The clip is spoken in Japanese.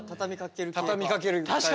畳みかける系か。